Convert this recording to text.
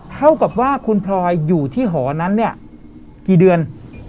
เท่ากับว่าคุณพลอยอยู่ที่หอนั้นเนี่ยกี่เดือน